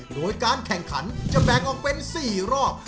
โดยการแข่งขันจะแบ่งออกเป็น๔รอบ